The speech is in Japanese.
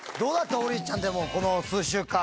王林ちゃんこの数週間。